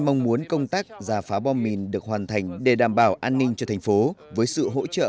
đồng ý với các công tác và phá bom mình được hoàn thành để đảm bảo an ninh cho thành phố với sự hỗ trợ